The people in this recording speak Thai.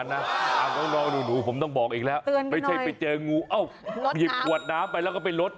น้องหนูผมต้องบอกอีกแล้วไม่ใช่ไปเจองูเอ้าหยิบขวดน้ำไปแล้วก็ไปลด